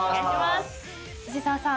藤澤さん